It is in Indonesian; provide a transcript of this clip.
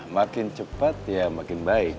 makin cepat ya makin baik